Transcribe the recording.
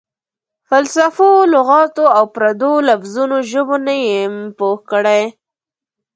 فلسفو، لغاتو او پردو لفظونو ژبو نه یم پوه کړی.